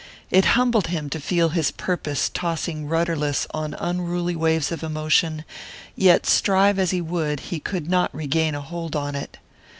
It humbled him to feel his purpose tossing rudderless on unruly waves of emotion, yet strive as he would he could not regain a hold on it.